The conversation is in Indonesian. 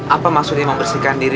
apa maksudnya membersihkan diri